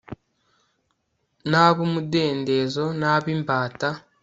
nabumudendezo nabimbata